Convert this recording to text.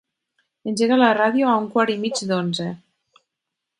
Engega la ràdio a un quart i mig d'onze.